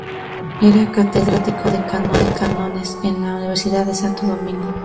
Era catedrático de cánones en la Universidad de Santo Domingo.